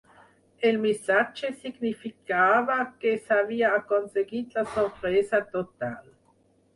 El missatge significava que s'havia aconseguit la sorpresa total.